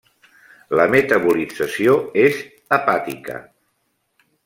La metabolització és hepàtica.